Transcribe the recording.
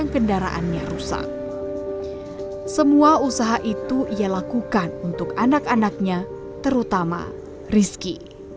kendaraannya rusak semua usaha itu ia lakukan untuk anak anaknya terutama rizky